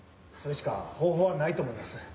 それしか方法はないと思います。